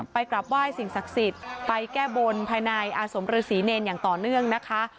กลับไหว้สิ่งศักดิ์สิทธิ์ไปแก้บนภายในอาสมฤษีเนรอย่างต่อเนื่องนะคะ